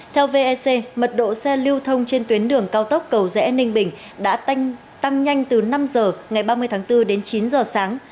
theo vec mật độ xe lưu thông trên tuyến đường cao tốc cầu rẽ ninh bình đã tăng nhanh từ năm giờ ngày ba mươi tháng bốn đến chín giờ sáng